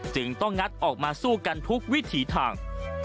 จึงต้องงัดออกมาสู้กันทุกวิถีทาง